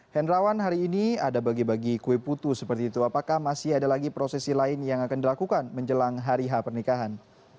hendrawan hari ini ada bagi bagi kue putu seperti itu apakah masih ada lagi prosesi lain yang akan dilakukan menjelang hari h pernikahan